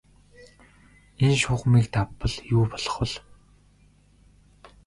Энэ шугамыг давбал юу болох бол?